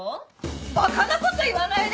バカなこと言わないで！